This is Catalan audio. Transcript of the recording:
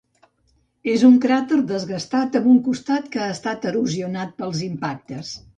És un cràter desgastat amb un costat que ha estat erosionat pels impactes.